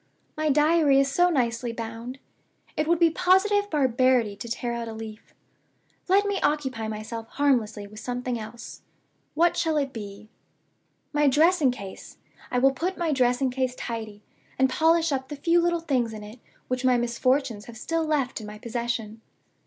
My Diary is so nicely bound it would be positive barbarity to tear out a leaf. Let me occupy myself harmlessly with something else. What shall it be? My dressing case I will put my dressing case tidy, and polish up the few little things in it which my misfortunes have still left in my possession.